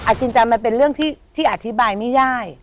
จินจามันเป็นเรื่องที่อธิบายไม่ได้